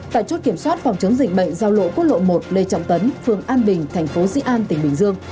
tại chốt kiểm soát phòng chống dịch bệnh giao lộ quốc lộ một lê trọng tấn phường an bình thành phố dĩ an tỉnh bình dương